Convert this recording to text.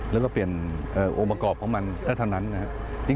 แล้วก็เปลี่ยนองค์ประกอบของมันได้เท่านั้นนะครับ